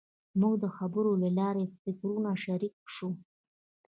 موږ د خبرو له لارې د فکرونو شریک شوو.